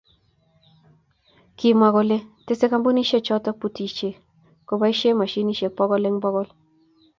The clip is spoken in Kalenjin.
Kimwa kole tesei kampunishe choto butishe koboisie moshinishe bokol eng bokol.